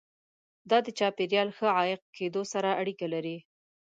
دا د چاپیریال ښه عایق کېدو سره اړیکه لري.